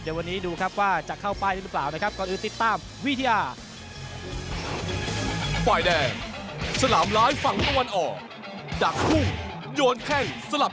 เดี๋ยววันนี้ดูครับว่าจะเข้าไปหรือเปล่านะครับ